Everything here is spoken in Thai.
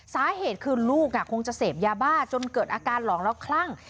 สาเหตุคือลูกคงจะเสพยาบ้าจนเกิดอาการหลอนแล้วคลั่ง